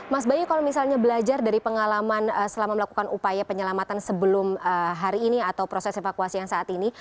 mas bayu kalau misalnya belajar dari pengalaman selama melakukan upaya penyelamatan sebelum hari ini atau proses evakuasi yang saat ini